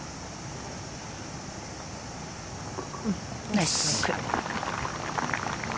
ナイス。